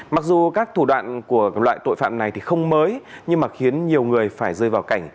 mặc dù các thủ đoạn của loại tội phạm này thì không mới nhưng mà khiến nhiều người phải rơi vào cảnh